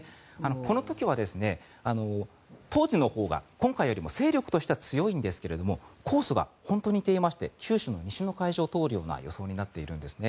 この時は当時のほうが今回よりも勢力としては強いんですがコースが本当に似ていまして九州の西の海上を通るような予想になっているんです。